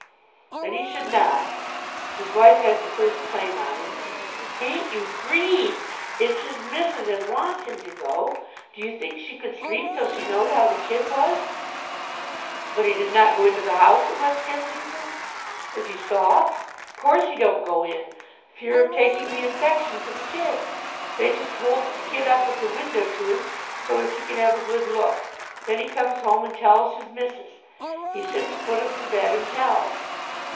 "Then he should not. His wife has the first claim on him." "Ain't you green! It's his missis as wants him to go. Do you think she could sleep till she knowed how the kid was?" "But he does not go into the house at West Kensington?" "Is he soft? Course he don't go in, fear of taking the infection to the kid. They just holds the kid up at the window to him, so as he can have a good look. Then he comes home and tells his missis. He sits foot of the bed and tells."